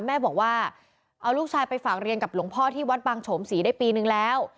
แม่บอกว่าเอาลูกชายไปฝากเรียนกับหลวงพ่อที่วัดบางโฉมศรีได้ปีนึงแล้ว